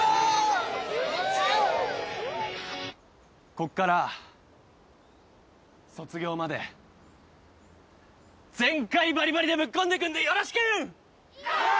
こっから卒業まで全開バリバリでぶっ込んでくんでよろしく！イェ！